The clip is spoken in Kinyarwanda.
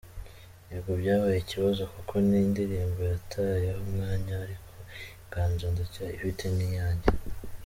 Yego byabaye ikibazo kuko ni indirimbo natayeho umwanya ariko inganzo ndacyayifite ni iyanjye.